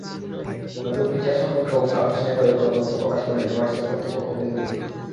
নতুন ফিচার সম্পর্কে অবশ্য আনুষ্ঠানিকভাবে কোনো তথ্য প্রকাশ করেনি হোয়াটসঅ্যাপের কর্তৃপক্ষ ফেসবুক।